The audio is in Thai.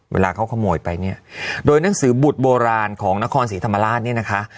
เวลาเขาขโมยไปเนี่ยโดยหนังสือบุตรโบราณของนครศรีธรรมราชเนี่ยนะคะ